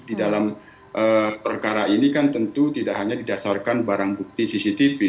di dalam perkara ini kan tentu tidak hanya didasarkan barang bukti cctv